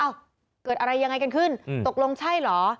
เกิดอะไรยังไงกันขึ้นตกลงใช่เหรอ